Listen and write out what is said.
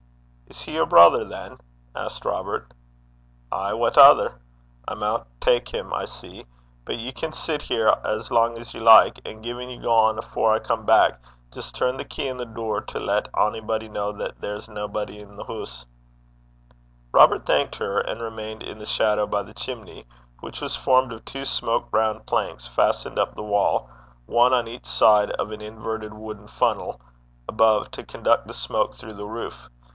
'Is he yer brither, than?' asked Robert. 'Ay, what ither? I maun tak him, I see. But ye can sit there as lang 's ye like; and gin ye gang afore I come back, jist turn the key 'i the door to lat onybody ken that there's naebody i' the hoose.' Robert thanked her, and remained in the shadow by the chimney, which was formed of two smoke browned planks fastened up the wall, one on each side, and an inverted wooden funnel above to conduct the smoke through the roof.